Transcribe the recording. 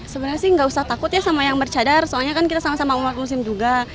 sebenarnya sih nggak usah takut ya sama yang bercadar soalnya kan kita sama sama umat muslim juga